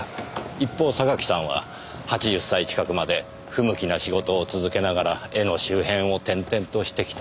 一方榊さんは８０歳近くまで不向きな仕事を続けながら絵の周辺を転々としてきた。